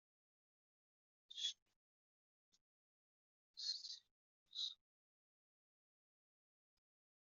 Am wakken i yettwaru deg tduli n udlis-a, uraren-a i d-yeffɣen d aḥric seg wayen i yura.